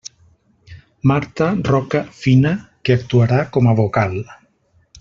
Marta Roca Fina, que actuarà com a vocal.